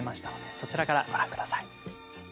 そちらからご覧ください。